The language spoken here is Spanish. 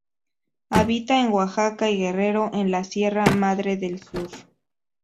Habita en Oaxaca y Guerrero en la Sierra Madre del Sur.